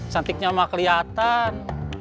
cantiknya mah keliatan